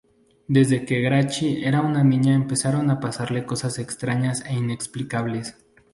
Desde que Grachi era una niña empezaron a pasarle cosas extrañas e inexplicables.